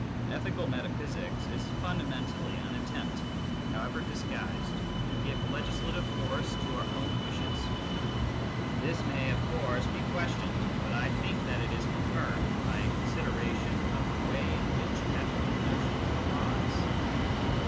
Ethical metaphysics is fundamentally an attempt, however disguised, to io8 MYSTICISM AND LOGIC give legislative force to our own wishes. This may, of course, be questioned, but I think that it is confirmed by a consideration of the way in which ethical notions arise.